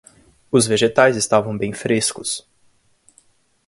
Os vegetais estavam bem frescos